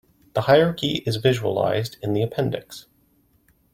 The hierarchy is visualized in the appendix.